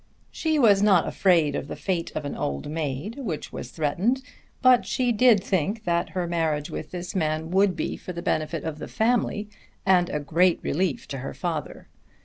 She was not afraid of the fate of an old maid which was threatened, but she did think that her marriage with this man would be for the benefit of the family and a great relief to her father.